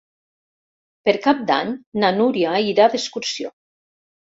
Per Cap d'Any na Núria irà d'excursió.